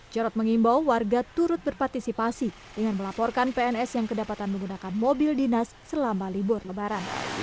jarod mengimbau warga turut berpartisipasi dengan melaporkan pns yang kedapatan menggunakan mobil dinas selama libur lebaran